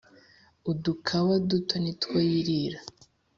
udukawa duto nitwo yirira